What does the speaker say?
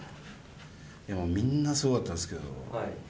もうみんなすごかったですけど。